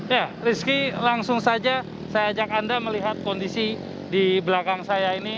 ya rizky langsung saja saya ajak anda melihat kondisi di belakang saya ini